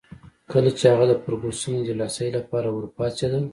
کله چي هغه د فرګوسن د دلاسايي لپاره ورپاڅېدل.